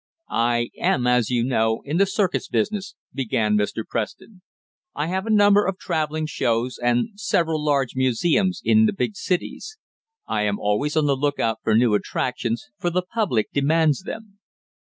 "I am, as you know, in the circus business," began Mr. Preston. "I have a number of traveling shows, and several large museums in the big cities. I am always on the lookout for new attractions, for the public demands them.